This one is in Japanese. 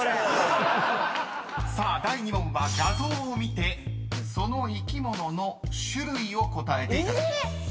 ［さあ第２問は画像を見てその生き物の種類を答えていただきます］